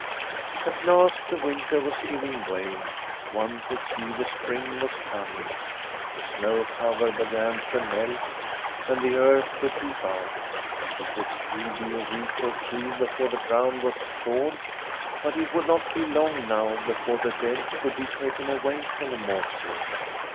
At last the winter was giving way. One could see the spring was coming. The snow cover be gan to melt, and the earth to peep out. It would still be a week or two before the ground was thawed, but it would not be long now before the dead could be taken away from the mortuary.